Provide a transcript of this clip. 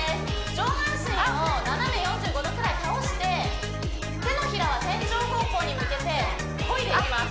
上半身を斜め４５度くらい倒して手のひらは天井方向に向けてこいでいきます